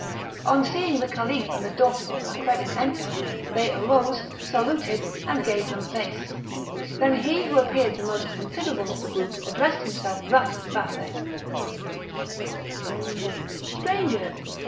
On seeing the Caliph and the daughter of Fakreddin enter, they arose, saluted, and gave them place; then he who appeared the most considerable of the group addressed himself thus to Vathek: "Strangers!